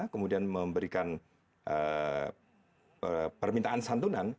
kemudian memberikan permintaan santunan